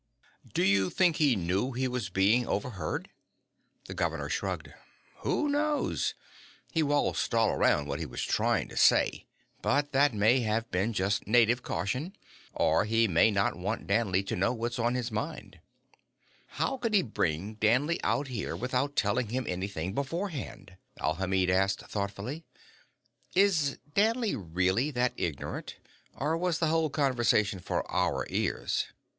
"Do you think he knew he was being overheard?" The governor shrugged. "Who knows. He waltzed all around what he was trying to say, but that may have been just native caution. Or he may not want Danley to know what's on his mind." "How could he bring Danley out here without telling him anything beforehand?" Alhamid asked thoughtfully. "Is Danley really that ignorant, or was the whole conversation for our ears?"